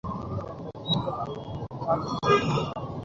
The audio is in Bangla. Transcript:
বলছি তো, আমি আগ্রহী নই।